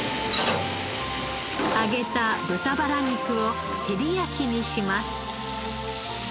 揚げた豚バラ肉を照り焼きにします。